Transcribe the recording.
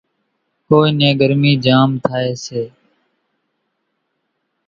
ڪونئين نين ڳرمِي جھام ٿائيَ سي۔